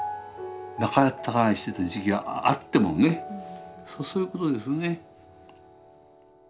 仲たがいしてた時期があってもねそういうことですね。